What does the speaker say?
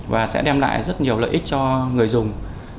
và sẽ đem lại rất nhiều lợi ích cho người dùng